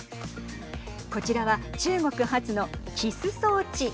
こちらは中国発のキス装置。